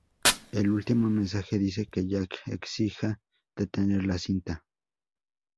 El último mensaje dice que Jack exija detener la cinta.